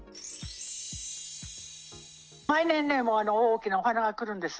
毎年ね、大きなお花が来るんです。